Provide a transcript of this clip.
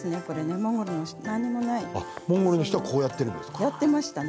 モンゴルの人はこうやっていたんですね。